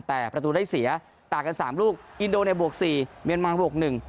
แต่ประตูได้เสียต่างกันสามลูกอินโดเนี่ยบวกสี่เมียนมาบวกหนึ่ง